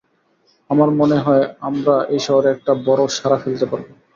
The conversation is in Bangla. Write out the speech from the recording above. আমার মনে হয় আমরা এই শহরে একটা বড় সাড়া ফেলতে পারবো।